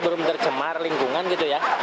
belum tercemar lingkungan gitu ya